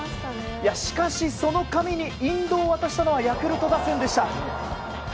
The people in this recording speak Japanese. しかし、その髪に引導を渡したのはヤクルト打線でした。